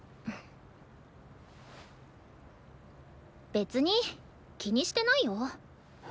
別に気にしてないよ。